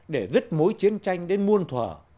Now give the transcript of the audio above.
để dứt mối chiến tranh đến muôn thỏ